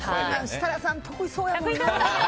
設楽さん、得意そうやな。